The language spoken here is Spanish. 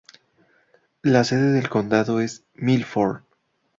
La sede del condado es Milford.